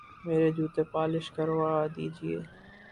میرے جوتے پالش کروا دیجئے